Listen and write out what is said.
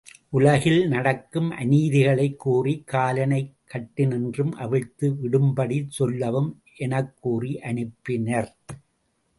உலகில் நடக்கும் அநீதிகளைக் கூறிக் காலனைக் கட்டினின்றும் அவிழ்த்து விடும்படிச் சொல்லவும் எனக் கூறி அனுப்பினர்.